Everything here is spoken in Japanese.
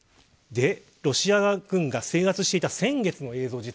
ロシア軍が制圧していた先月の映像